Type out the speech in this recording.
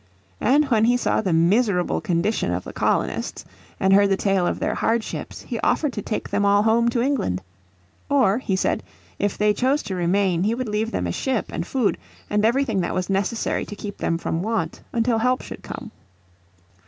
And when he saw the miserable condition of the colonists, and heard the tale of their hardships, he offered to take them all home to England. Or, he said, if they chose to remain he would leave them a ship and food and everything that was necessary to keep them from want until help should come.